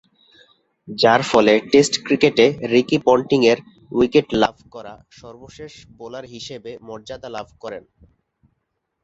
যার ফলে টেস্ট ক্রিকেটে রিকি পন্টিং এর উইকেট লাভ করা সর্বশেষ বোলার হিসেবে মর্যাদা লাভ করেন।